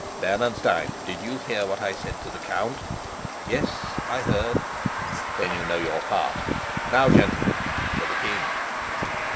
"Bernenstein, did you hear what I said to the count?" "Yes, I heard." "Then you know your part. Now, gentlemen, to the king."